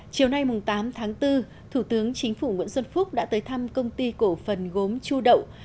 chiều nay tám tháng bốn thủ tướng chính phủ nguyễn xuân phúc đã tới thăm công ty cổ phần gốm chu đậu